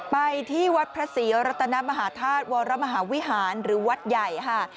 ไปที่วัดพระศรีรัตนมหาธาตุวรมหาวิหารหรือวัดใหญ่ค่ะ